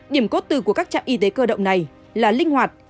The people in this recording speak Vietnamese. điểm cốt từ của các trạm y tế cơ động này là linh hoạt